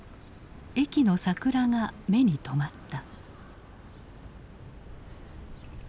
駅の桜が目に留まった。